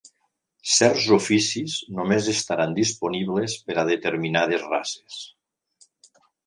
Certs oficis només estaran disponibles per a determinades races.